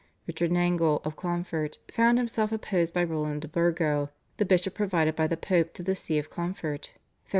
Richard Nangle of Clonfert found himself opposed by Roland de Burgo, the bishop provided by the Pope to the See of Clonfert (Feb.